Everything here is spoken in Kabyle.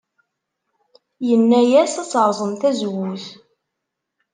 Yenna-as ad terẓem tazewwut.